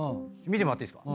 見てもらっていいですか？